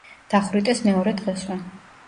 დახვრიტეს მეორე დღესვე.